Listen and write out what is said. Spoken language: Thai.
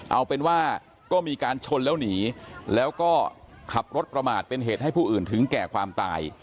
เอาเป็นว่าก็มีการชนแล้วหนีแล้วก็ขับรถประมาทเป็นเหตุให้ผู้อื่นถึงแก่ความตาย